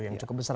yang cukup besar